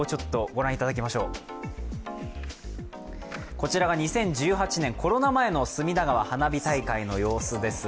こちらが２０１８年、コロナ前の隅田川花火大会の様子です。